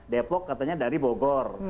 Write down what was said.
depok katanya dari bogor